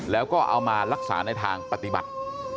แล้วก็เอามารักษาในทางปฏิบัติ